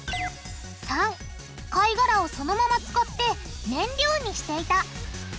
③貝がらをそのまま使って燃料にしていた。